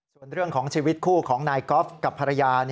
ส่วนเรื่องของชีวิตคู่ของนายกอล์ฟกับภรรยา